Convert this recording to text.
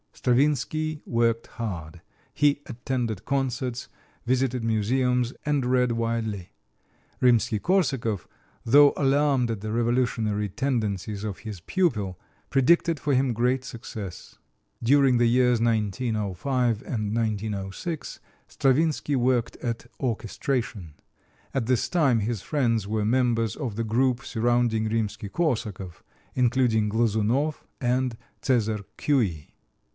Stravinsky worked hard. He attended concerts, visited museums and read widely. Rimsky Korsakov, though alarmed at the revolutionary tendencies of his pupil, predicted for him great success. During the years 1905 and 1906 Stravinsky worked at orchestration. At this time his friends were members of the group surrounding Rimsky Korsakov, including Glazounov and César Cui.